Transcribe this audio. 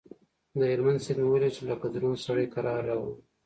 د هلمند سيند مې وليد چې لکه دروند سړى کرار روان و.